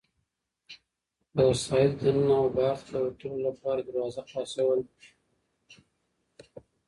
د وسایطو د ننه او بهرته د وتلو لپاره دروازه خلاصول.